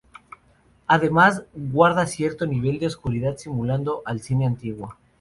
Además guarda cierto nivel de oscuridad simulando al cine antiguo.